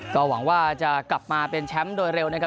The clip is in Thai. ก็หวังว่าจะกลับมาเป็นแชมป์โดยเร็วนะครับ